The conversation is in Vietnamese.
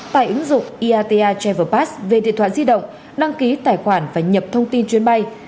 tại ứng dụng iata travel pass về điện thoại di động đăng ký tài khoản và nhập thông tin chuyến bay